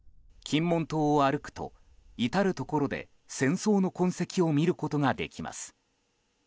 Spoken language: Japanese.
金門島を歩くと至るところで戦争の痕跡を見ることができます。